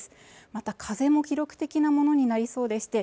また風も記録的なものになりそうでして